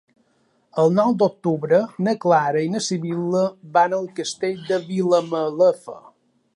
El nou d'octubre na Clara i na Sibil·la van al Castell de Vilamalefa.